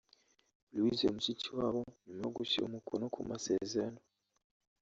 Louise Mushikiwabo nyuma yo gushyira umukono ku masezerano